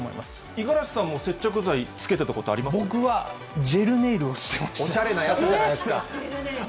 五十嵐さんも接着剤、つけて僕は、ジェルネイルをしてまおしゃれなやつじゃないですか。